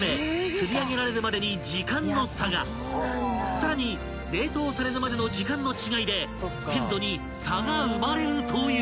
［さらに冷凍されるまでの時間の違いで鮮度に差が生まれるという］